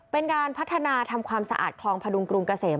เป็นการพัฒนาทำความสะอาดคลองพดุงกรุงเกษม